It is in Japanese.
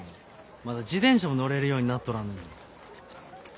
まだ自転車も乗れるようになっとらんのに。